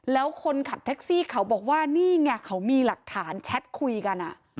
แล้วคนขับแท็กซี่เขาบอกว่านี่ไงเขามีหลักฐานแชทคุยกัน